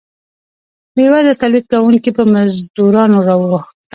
بیوزله تولید کوونکي په مزدورانو واوښتل.